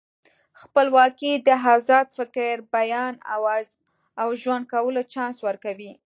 خپلواکي د ازاد فکر، بیان او ژوند کولو چانس ورکوي.